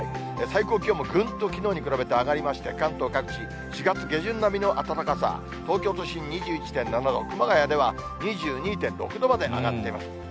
最高気温もぐんときのうに比べて上がりまして、関東各地、４月下旬並みの暖かさ、東京都心２１．７度、熊谷では２２．６度まで上がっています。